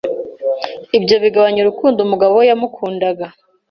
Ibyo bigabanya urukundo umugabo we yamukundaga,